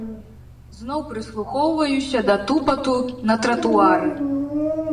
Зноў прыслухоўваюся да тупату на тратуары.